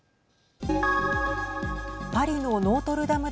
パリのノートルダム